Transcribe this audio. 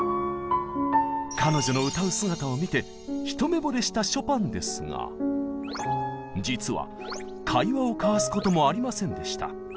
彼女の歌う姿を見て一目ぼれしたショパンですが実は会話を交わすこともありませんでした。